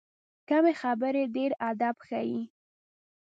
کمې خبرې، ډېر ادب ښیي.